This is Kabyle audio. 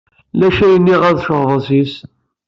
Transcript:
Lac ayenni ɣad tceɣɣbed sys.